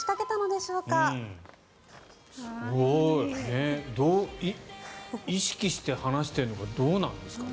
すごい。意識して話してるのかどうなんですかね。